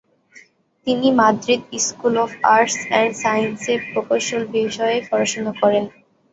তিনি Madrid school of arts and সায়েন্সেসে প্রকৌশল বিষয়ে পড়াশোনা করেন।